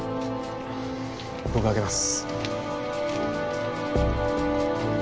僕開けます。